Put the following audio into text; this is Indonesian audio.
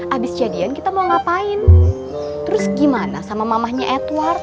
abis jadian kita mau ngapain terus gimana sama mamahnya edward